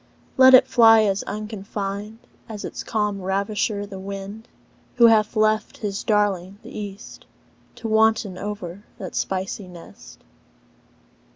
Let it fly as unconfined As its calm ravisher the wind, Who hath left his darling, th' east, To wanton in that spicy nest.